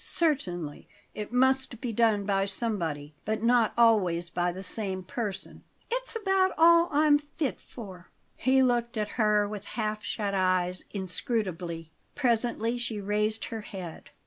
"Certainly it must be done by somebody; but not always by the same person." "It's about all I'm fit for." He looked at her with half shut eyes, inscrutably. Presently she raised her head.